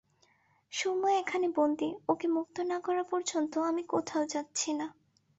Sumo এখানে বন্দি, ওকে মুক্ত না করা পর্যন্ত আমি কোথাও যাচ্ছি না।